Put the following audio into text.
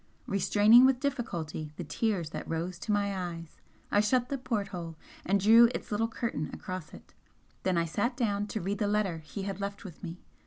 Restraining with difficulty the tears that rose to my eyes, I shut the port hole and drew its little curtain across it then I sat down to read the letter he had left with me.